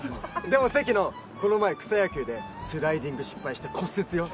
でもセキノこの前草野球でスライディング失敗して骨折よ。